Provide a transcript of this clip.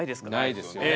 ないですよね。